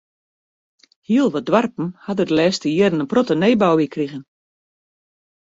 Hiel wat doarpen ha der de lêste jierren in protte nijbou by krige.